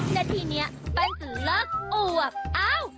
นาทีนี้ปั้นสือเลิกอวบอ้าว